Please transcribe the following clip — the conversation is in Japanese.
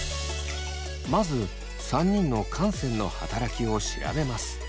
まず３人の汗腺の働きを調べます。